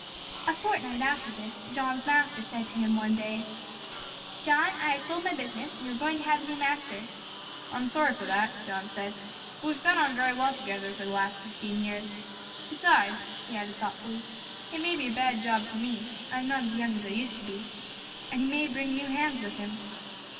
A fortnight after this John's master said to him one day "John, I have sold my business, you are going to have a new master." "I am sorry for that," John said, "for we have got on very well together for the last fifteen years. Besides," he added thoughtfully, "it may be a bad job for me; I am not as young as I used to be, and he may bring new hands with him."